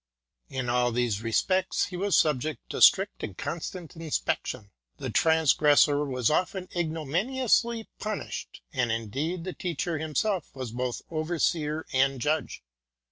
In all these respects he was subject to strict and constant inspection; the transgressor was often ignominiously pu nished; and indeed the teacher himself was both overseer and judge.